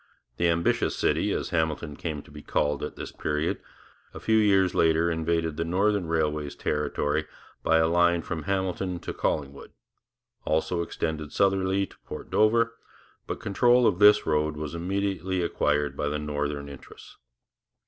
The Ambitious City, as Hamilton came to be called at this period, a few years later invaded the Northern Railway's territory by a line from Hamilton to Collingwood, also extended southerly to Port Dover, but control of this road was immediately acquired by the Northern interests.